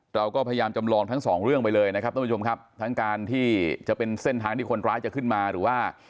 เราก็พยายามจำลองทั้งสองเรื่องไปเลยนะครับท่านผู้ชมครับทั้งการที่จะเป็นเส้นทางที่คนร้ายจะขึ้นมาหรือว่า